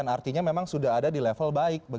artinya memang sudah ada di level baik